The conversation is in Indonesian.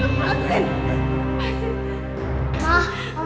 mama gak demonic apa mak